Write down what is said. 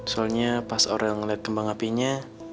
soalnya pas aurel ngeliat kembang apinya